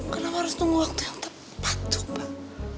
kenapa harus tunggu waktu yang tepat tuh pak